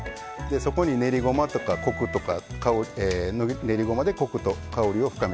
そこに練りごまとかコクとか香り練りゴマでコクと香りを深めました。